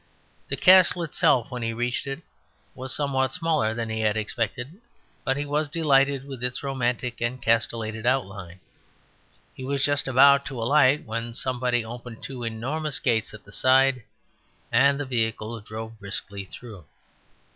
The castle itself when he reached it was somewhat smaller than he had expected, but he was delighted with its romantic and castellated outline. He was just about to alight when somebody opened two enormous gates at the side and the vehicle drove briskly through.